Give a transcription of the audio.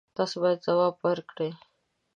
تاسو باید ځواب ورکړئ.